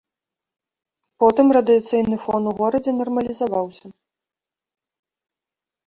Потым радыяцыйны фон у горадзе нармалізаваўся.